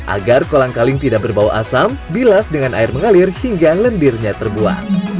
agar kolang kaling tidak berbau asam bilas dengan air mengalir hingga lendirnya terbuang